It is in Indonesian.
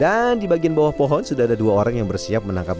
dan di bagian bawah pohon sudah ada dua orang yang bersiap menangkapnya